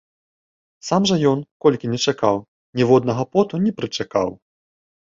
Сам жа ён, колькі ні чакаў, ніводнага поту не прычакаў.